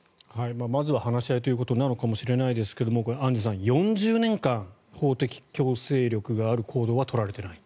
まずは話し合いということなのかもしれませんがアンジュさん、４０年間法的強制力がある行動が取られていない。